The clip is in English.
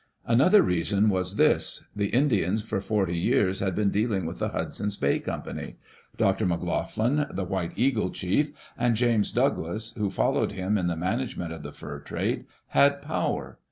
Another reason was this : the Indians for forty years had been dealing with the Hudson's Bay Company. Dr. McLoughlin, the "White Eagle Chief,'* and James Doug las, who followed him in the management of the fur trade, had power.